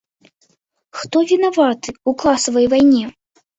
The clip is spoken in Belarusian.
Хто вінаваты ў класавай вайне?